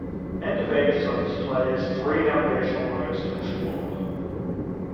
"End of Ages" offers players three navigation modes to explore.